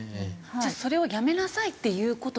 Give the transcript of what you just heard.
じゃあそれをやめなさいっていう事にはできないと。